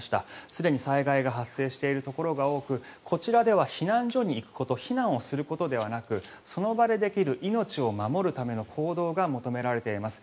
すでに災害が発生しているところが多くこちらでは避難所に行くこと避難をすることではなくその場でできる命を守るための行動が求められています。